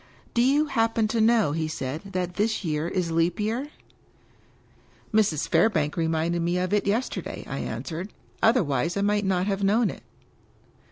" Do you happen to know," he said, " that this year is Leap Year?" " Mrs. Fairbank reminded me of it yesterday," I an swered. " Otherwise I might not have known it."